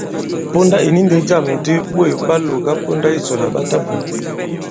Ponda ì ni ndī jâm di ɓôt ɓa lòga ponda yisò àlà ɓa tabwě.